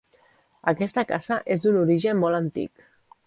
Aquesta casa és d’un origen molt antic.